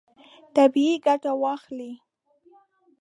طبیعي ګټه واخلئ.